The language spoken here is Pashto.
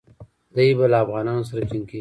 دی به له افغانانو سره جنګیږي.